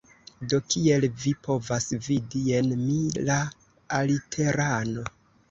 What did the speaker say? Do, kiel vi povas vidi, jen mi, la aliterano